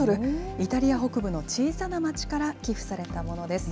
イタリア北部の小さな街から寄付されたものです。